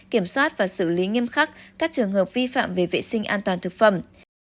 kiểm soát và xử lý nghiêm khắc các trường hợp vi phạm về vệ sinh an toàn thực phẩm